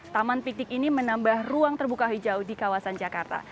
taman piknik ini menambah ruang terbuka hijau di kawasan jakarta